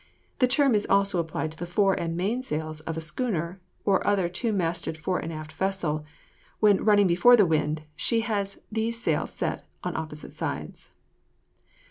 The term is also applied to the fore and main sails of a schooner or other two masted fore and aft vessel; when running before the wind she has these sails set on opposite sides.